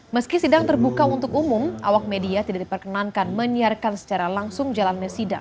meski sidang terbuka untuk umum awak media tidak diperkenankan menyiarkan secara langsung jalannya sidang